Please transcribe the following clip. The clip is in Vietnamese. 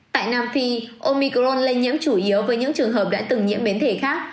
tại nam phi omicron lây nhiễm chủ yếu với những trường hợp đã từng nhiễm biến thể khác